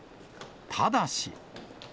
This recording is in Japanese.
ただし。